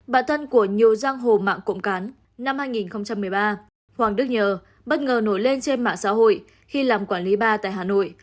bản thân của nhiều giang hồ mạng cộng cán năm hai nghìn một mươi ba hoàng đức nhờ bất ngờ nổi lên trên mạng xã hội khi làm quản lý ba tại hà nội